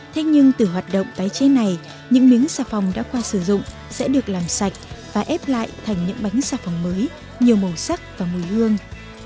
thế nhưng từ hoạt động tái chế này những miếng xà phòng đã qua sử dụng sẽ được làm sạch và ép lại thành những bánh xà phòng mới nhiều màu sắc và mùi hương